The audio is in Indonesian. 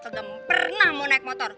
sebelum pernah mau naik motor